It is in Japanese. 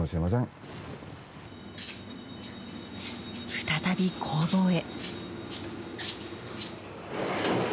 再び、工房へ。